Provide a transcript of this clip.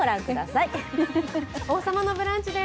「王様のブランチ」です